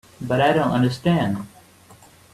But I don't understand.